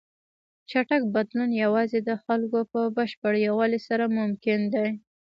چټک بدلون یوازې د خلکو په بشپړ یووالي سره ممکن دی.